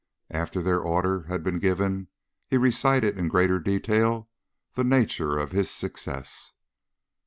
After their order had been given, he recited in greater detail the nature of his success.